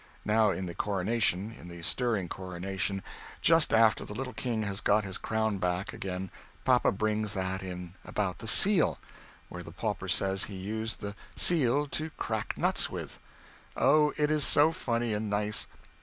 Now in the coronation in the stirring coronation, just after the little king has got his crown back again papa brings that in about the Seal, where the pauper says he used the Seal "to crack nuts with." Oh it is so funny and nice!